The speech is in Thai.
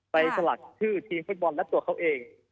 สลักชื่อทีมฟุตบอลและตัวเขาเอง